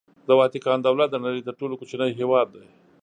د واتیکان دولت د نړۍ تر ټولو کوچنی هېواد دی.